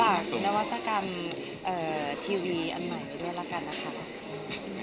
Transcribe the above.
นวัตกรรมทีวีอันใหม่ด้วยละกันนะคะ